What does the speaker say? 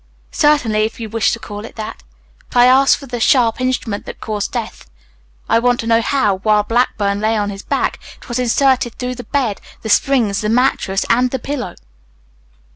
"Certainly, if you wish to call it that. But I ask for the sharp instrument that caused death. I want to know how, while Blackburn lay on his back, it was inserted through the bed, the springs, the mattress, and the pillow."